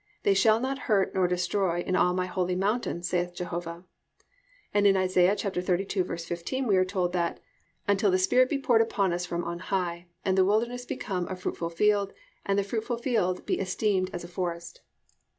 They shall not hurt nor destroy in all my holy mountain, saith Jehovah,"+ and in Isa. 32:15, we are told that +"until the Spirit be poured upon us from on high, and the wilderness become a fruitful field, and the fruitful field be esteemed as a forest."